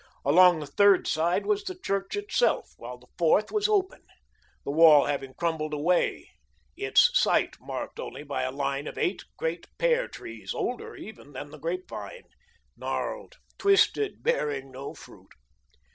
Along the third side was the church itself, while the fourth was open, the wall having crumbled away, its site marked only by a line of eight great pear trees, older even than the grapevine, gnarled, twisted, bearing no fruit.